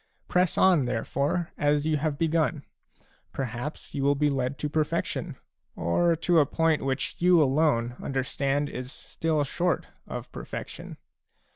Press on, therefore, as you have begun ; perhaps you will be led to perfection, or to a point which you alone understand is still short of perfection.